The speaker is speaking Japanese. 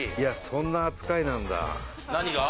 そんな扱いなんだ何が？